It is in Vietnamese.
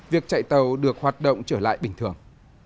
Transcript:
việc chạy tàu được hoạt động trở lại bình thường